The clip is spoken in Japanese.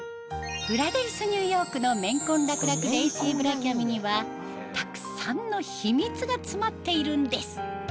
ブラデリスニューヨークの綿混楽々レーシーブラキャミにはたくさんの秘密が詰まっているんです